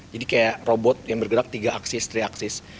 jadi kayak robot yang bergerak tiga aksis tiga aksis